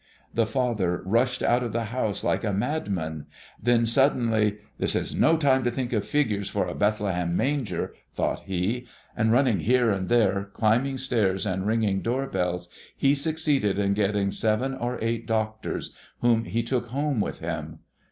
The father rushed out of the house like a madman, then suddenly, "This is no time to think of figures for a Bethlehem manger," thought he; and running here and there, climbing stairs and ringing door bells, he succeeded in getting seven or eight doctors, whom he took home with him.